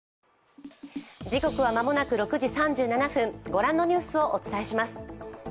ご覧のニュースをお伝えします。